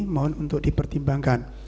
mohon untuk dipertimbangkan